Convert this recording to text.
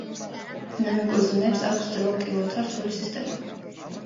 დინამიკურ ზმნებს აქვს დრო-კილოთა რთული სისტემა.